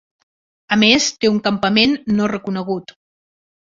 A més, té un campament no reconegut.